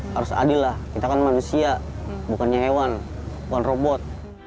harus adil lah kita kan manusia bukannya hewan bukan robot